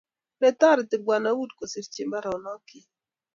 Netoreti Bw.Wood kosirchi baronokchi